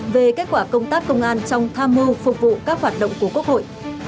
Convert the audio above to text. về kết quả công tác công an trong tham mưu phục vụ các hoạt động của quốc hội